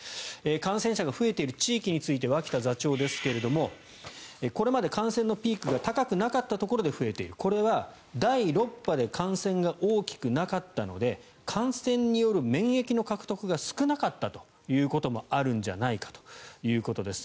感染者が増えている地域について脇田座長ですがこれまで感染のピークが高くなかったところで増えているこれは第６波で感染が大きくなかったので感染による免疫の獲得が少なかったということもあるんじゃないかということです。